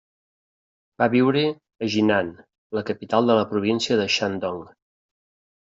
Va viure a Jinan, la capital de la província de Shandong.